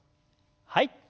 はい。